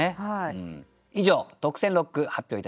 以上特選六句発表いたしました。